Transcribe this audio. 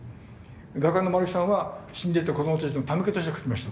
画家の丸木さんは死んでいった子どもたちの手向けとして描きました。